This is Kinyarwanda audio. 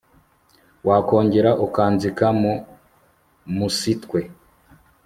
wakongera ukanzika mu musitwe